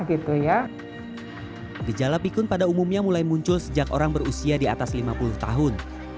gejala pikun pada umumnya mulai muncul sejak orang berusia di atas lima puluh tahun